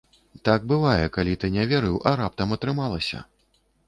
Так бывае, калі ты не верыў, а раптам атрымалася!